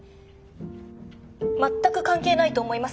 全く関係ないと思います。